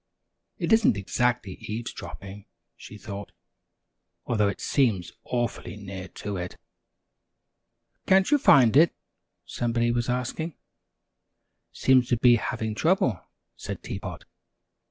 "It isn't exactly eavesdropping," she thought, "although it seems awfully near to it." "Can't you find it?" somebody was asking. "Seems to be having trouble," said Tea Pot.